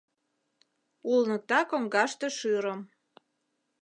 Улныкта коҥгаште шӱрым